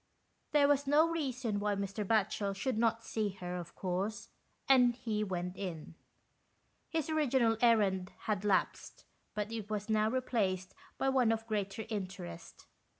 There was no reason why Mr. Batchel should not see her, of course, and he went in. His original errand had lapsed, but it was now re placed by one of greater interest.